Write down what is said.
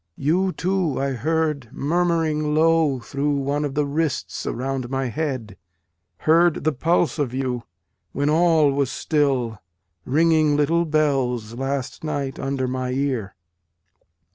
you too I heard mur muring low through one of the wrists around my head, Heard the pulse of you, when all was still, ringing little bells last night under my ear.